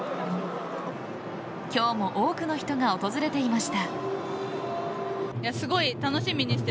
今日も多くの人が訪れていました。